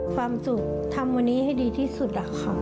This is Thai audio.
ความสุขทำวันนี้ให้ดีที่สุดล่ะค่ะ